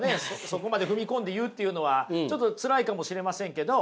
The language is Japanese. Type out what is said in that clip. そこまで踏み込んで言うっていうのはちょっとつらいかもしれませんけど。